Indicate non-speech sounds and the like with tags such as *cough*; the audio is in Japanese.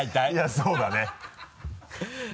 そうだね *laughs*